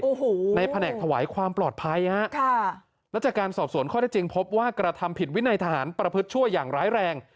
โอ้โหในแผนกถวายความปลอดภัยฮะค่ะแล้วจากการสอบสวนข้อได้จริงพบว่ากระทำผิดวินัยทหารประพฤติชั่วอย่างร้ายแรง